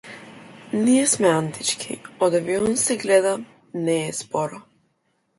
Ние сме антички, од авион се гледа, не е спорно.